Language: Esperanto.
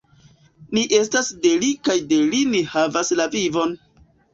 Ni estas de Li kaj de Li ni havas la vivon!